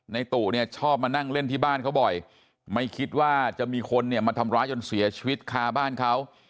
ตู่เนี่ยชอบมานั่งเล่นที่บ้านเขาบ่อยไม่คิดว่าจะมีคนเนี่ยมาทำร้ายจนเสียชีวิตคาบ้านเขา